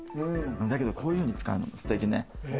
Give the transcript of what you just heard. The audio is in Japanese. だけどこういうふうに使うのもすてきね。